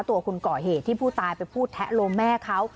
ตัวคุณก่อเหตุที่ผู้ตายไปพูดแทะโลมแม่เขา